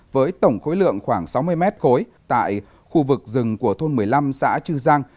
với tổng khối lượng khoảng sáu mươi mét khối tại khu vực rừng của thôn một mươi năm xã chư giang